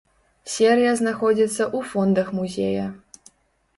Серыя знаходзіцца ў фондах музея.